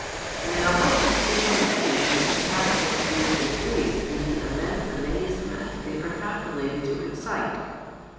Now what could be conceived to surpass such views as these in the immense amazement they are calculated to excite?